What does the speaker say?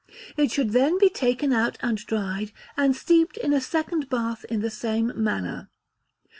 It should then be taken out and dried, and steeped in a second bath in the same manner.